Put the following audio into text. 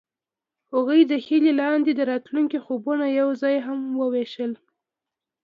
هغوی د هیلې لاندې د راتلونکي خوبونه یوځای هم وویشل.